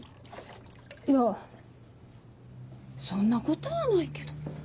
いやそんなことはないけど。